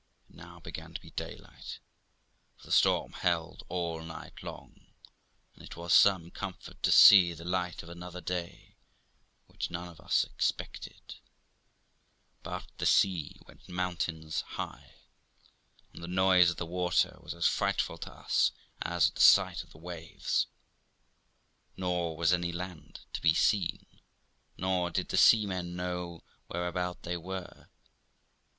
It now began to be daylight, for the storm held all night long, and it was some comfort to see the light of another day, which none of us expected ; but the sea went moun tains high, and the noise of the water was as frightful to us as the sight of the waves; nor was any land to be seen, nor did the seamen know whereabout they were.